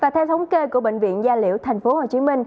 theo thống kê của bệnh viện gia liễu tp hcm